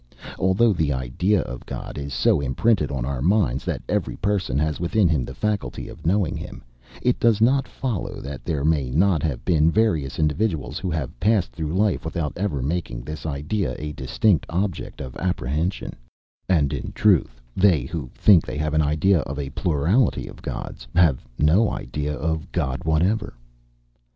Although the idea of God is so imprinted on our minds, that every person has within him the faculty of knowing him, it does not follow that there may not have been various individuals who have passed through life without ever making this idea a distinct object of apprehension; and, in truth, they who think they have an idea of a plurality of Gods, have no idea of God whatever."